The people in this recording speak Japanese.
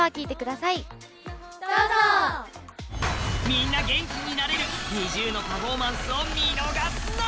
みんな元気になれるＮｉｚｉＵのパフォーマンスを見逃すな。